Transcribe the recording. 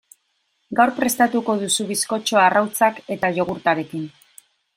Gaur prestatuko duzu bizkotxoa arrautzak eta jogurtarekin.